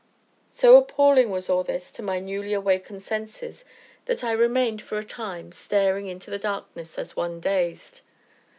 So appalling was all this to my newly awakened senses, that I remained, for a time, staring into the darkness as one dazed.